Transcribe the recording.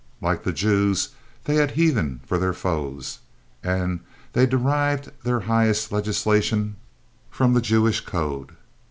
Like the Jews, they had heathen for their foes, and they derived their highest legislation from the Jewish code.